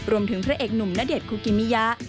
รวมถึงพระเอกหนุ่มณเดชน์คุกิมิยะ